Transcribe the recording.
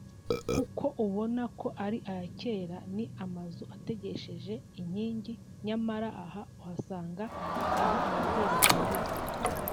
kuko ubona ko ari aya kera ni amazu ategesheje inkingi nyamara aha uhasanga aho ababyeyi babyarira